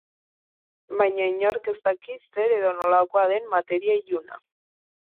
Baina inork ez daki zer edo nolakoa den materia iluna.